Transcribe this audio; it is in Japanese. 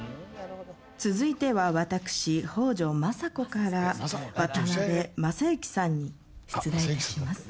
続いては私北条政子から渡辺正行さんに出題致します。